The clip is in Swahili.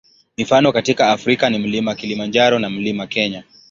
Mifano katika Afrika ni Mlima Kilimanjaro na Mlima Kenya.